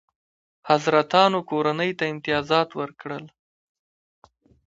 حضرتانو کورنۍ ته امتیازات ورکړل.